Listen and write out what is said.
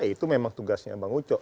itu memang tugasnya bang uco